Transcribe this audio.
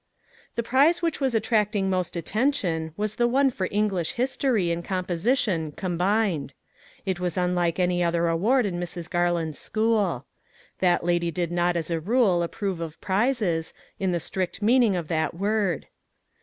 The prize which was attracting most atten tion was the one for English history and com position combined. It was unlike any other award in Mrs. Garland's school. That lady did not as a rule approve of prizes, in the strict meaning of that word.